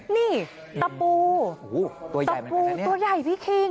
นี่ตะปูตะปูตัวใหญ่พี่คิง